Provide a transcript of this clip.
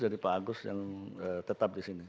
dari pak agus yang tetap di sini